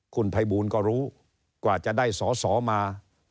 คุณภัยบูลก็รู้กว่าจะได้สอสอมา